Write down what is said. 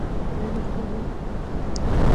د بیان ازادي مهمه ده ځکه چې برابري ساتي.